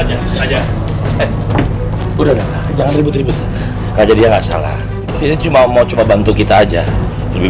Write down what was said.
raja raja udah jangan ribet ribet raja dia enggak salah cuma mau cuma bantu kita aja lebih